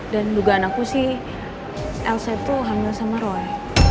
dan dugaan aku sih elsa itu hamil sama roy